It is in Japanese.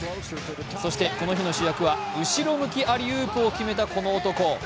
そしてこの日の主役は後ろ向きアリウープを決めたこの男。